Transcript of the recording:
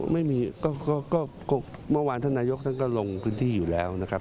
ไม่มีก็เมื่อวานท่านนายกท่านก็ลงพื้นที่อยู่แล้วนะครับ